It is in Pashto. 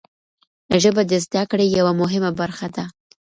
ژبه د زده کړې یوه مهمه برخه ده.